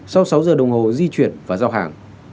sau sáu giờ đồng hồ di chuyển và giao hàng